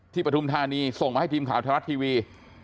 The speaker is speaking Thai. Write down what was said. ที่ประธุมธานีส่งมาให้ทีมข่าวทะลัดทีวี